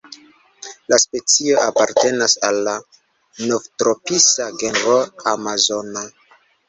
La specio apartenas al la Novtropisa genro "Amazona".